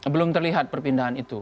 belum terlihat perpindahan itu